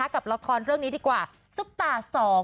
กับราคาเรื่องนี้ดีกว่าสุปรา๒๕๕๐